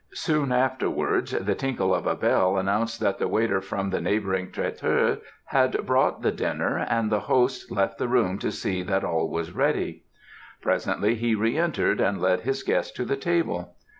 Soon afterwards the tinkle of a bell announced that the waiter from the neighbouring traiteur's had brought the dinner, and the host left the room to see that all was ready. Presently he re entered, and led his guest to the table.